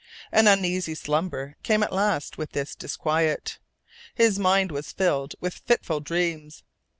An uneasy slumber came at last with this disquiet. His mind was filled with fitful dreams.